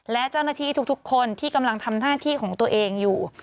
และเจ้าหน้าที่ทุกคนที่กำลังทำหน้าที่ของตัวเองอยู่